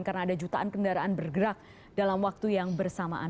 karena ada jutaan kendaraan bergerak dalam waktu yang bersamaan